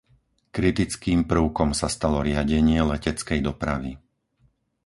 Kritickým prvkom sa stalo riadenie leteckej dopravy.